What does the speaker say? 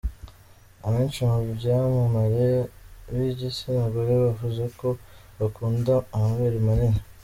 Abenshi mu byamamare b’igitsina gore bavuga ko bakunda amabere manini